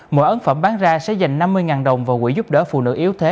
mỗi ấn phẩm bán ra sẽ dành năm mươi đồng vào quỹ giúp đỡ phụ nữ yếu thế